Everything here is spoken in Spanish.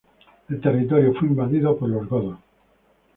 El territorio fue invadido por los godos.